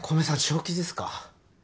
正気ですか？